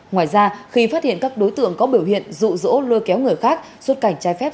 ngoài ra khi phát hiện các đối tượng có biểu hiện rụ rỗ lôi kéo người khác xuất cảnh trái phép